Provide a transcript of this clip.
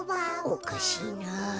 おかしいなあ。